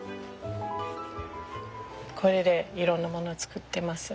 これでいろんなもの作ってます。